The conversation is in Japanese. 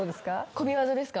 媚び技ですか？